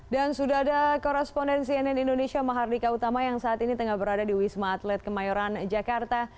dan sudah ada koresponden cnn indonesia mahardika utama yang saat ini tengah berada di wisma atlet kemayoran jakarta